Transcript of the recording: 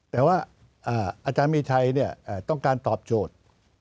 แต่ว่าอาจารย์มีชัยต้องการตอบโจทย์